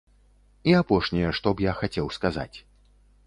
І апошняе, што б я хацеў сказаць.